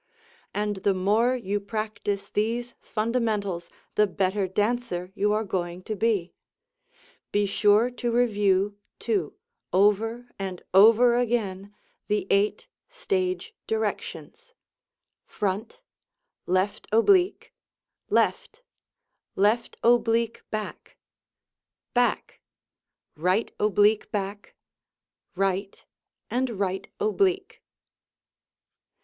And the more you practice these fundamentals the better dancer you are going to be. Be sure to review, too, over and over again, the eight stage directions front, left oblique, left, left oblique back, back, right oblique back, right, and right oblique.